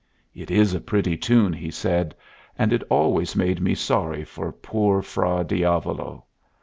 "It is a pretty tune," he said, "and it always made me sorry for poor Fra Diavolo.